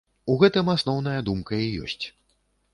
У гэтым асноўная думка і ёсць.